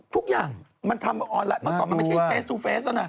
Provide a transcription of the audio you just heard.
ทุกอย่างมันทำเฟสตูเฟสว่ะนะ